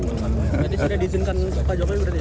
jadi sudah diizinkan pak jokowi berarti